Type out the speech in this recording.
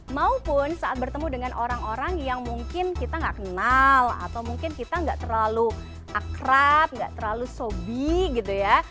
maupun saat bertemu dengan orang orang yang mungkin kita nggak kenal atau mungkin kita nggak terlalu akrab nggak terlalu sobi gitu ya